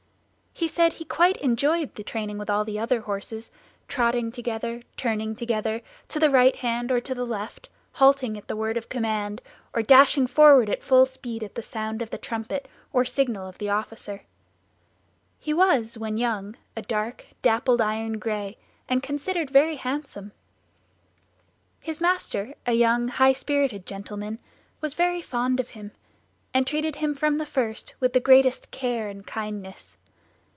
He said he quite enjoyed the training with all the other horses, trotting together, turning together, to the right hand or the left, halting at the word of command, or dashing forward at full speed at the sound of the trumpet or signal of the officer. He was, when young, a dark, dappled iron gray, and considered very handsome. His master, a young, high spirited gentleman, was very fond of him, and treated him from the first with the greatest care and kindness.